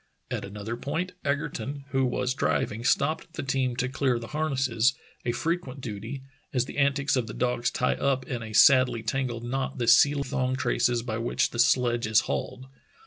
At another point Egerton, who was driving, stopped the team to clear the harness, a fre quent duty, as the antics of the dogs tie up in a sadly tangled knot the seal thong traces by which the sledge 230 True Tales of Arctic Heroism is hauled.